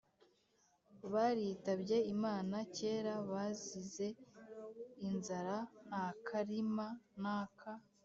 baritabye Imana kera bazize inzara. Nta karima n’aka